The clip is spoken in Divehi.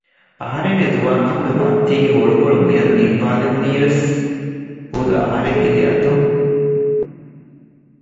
އަހަރެންގެ ޒުވާންކަމުގެ ބައްތީގެ ހުޅުކޮޅު މިއަދު ނިއްވާލެވުނީވެސް ހުދު އަހަރެންގެ ދެއަތުން